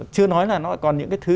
chưa nói là nó còn những cái thứ